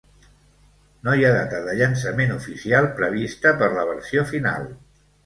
No hi ha data de llançament oficial prevista per la versió final.